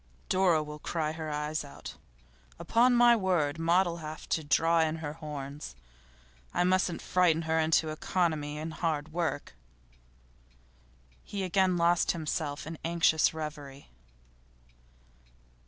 'Dora will cry her eyes out. Upon my word, Maud'll have to draw in her horns. I must frighten her into economy and hard work.' He again lost himself in anxious reverie.